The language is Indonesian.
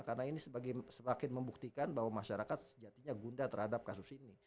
karena ini sebagai sebagian membuktikan bahwa masyarakat sejatinya gundah terhadap kasus ini